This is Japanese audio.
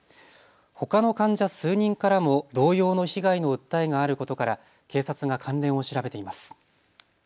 ほかの患者数人からも同様の被害の訴えがあることから警察が関連を調べています。